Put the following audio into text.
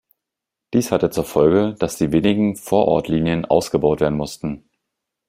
Dies hatte zur Folge, dass die wenigen Vorortlinien ausgebaut werden mussten.